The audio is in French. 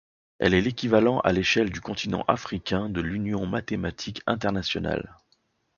Elle est l'équivalent à l'échelle du continent africain de l'Union mathématique internationale.